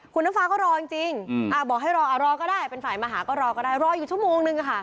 คุณฟ้าก็รองจริงอืมอ่าบอกให้รออ่ะรอก็ได้เป็นฝ่ายมหาก็รอก็ได้รออยู่ชั่วโมงหนึ่งค่ะ